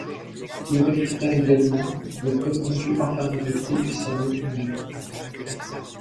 Il réfuta également la prétendue infériorité du cerveau féminin.